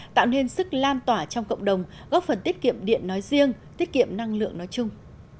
tạo nên sức lan tỏa trong cộng đồng góp phần tiết kiệm điện nói riêng tiết kiệm năng lượng nói chung